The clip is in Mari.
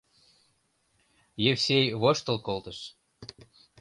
Евсей воштыл колтыш.